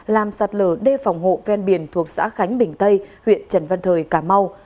làm sạt lở đê phòng hộ ven biển thuộc xã khánh bình tây huyện trần văn thời cà mau